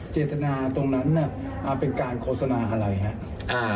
เจตนาตรงนั้นเป็นการโฆษณาอะไรครับ